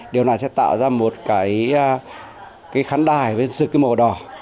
điều này sẽ tạo ra một cái khán đài với dực cái màu đỏ